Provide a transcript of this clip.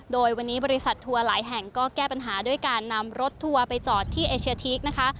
โดยวันนี้บริษัททัวร์หลายแห่งก็แก้ปัญหาด้วยการนำรถทัวร์ไปจอดที่เอเชียทีกนะคะ